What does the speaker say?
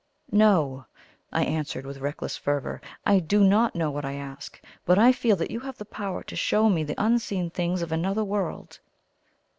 "No," I answered, with reckless fervour. "I do not know what I ask; but I feel that you have the power to show me the unseen things of another world.